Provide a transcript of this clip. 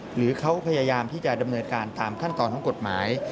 หรือเขาพยายามที่จะดำเนินการตามขั้นตอนของกฎหมาย